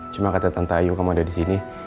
cuma kata tante ayu kamu ada di sini